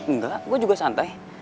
nggak gue juga santai